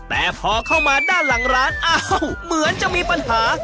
แต่พอเข้ามาด้านหลังร้านอ้าวเหมือนจะมีปัญหา